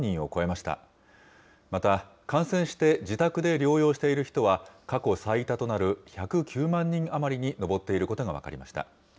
また、感染して自宅で療養している人は、過去最多となる１０９万人余りに上っていることが分かりました。